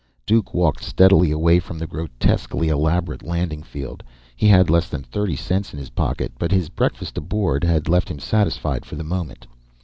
Duke walked steadily away from the grotesquely elaborate landing field. He had less than thirty cents in his pocket, but his breakfast aboard had left him satisfied for the moment.